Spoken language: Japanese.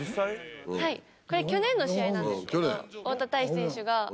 これ去年の試合なんですけど大田泰示選手が。